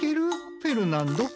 フェルナンド。